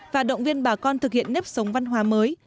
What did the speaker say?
và động viên bà con thực hiện nếp sống văn hóa mới